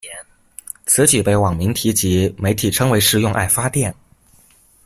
此举被网民及媒体称为是“用爱发电”。